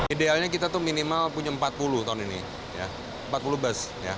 idealnya kita tuh minimal punya empat puluh ton ini empat puluh bus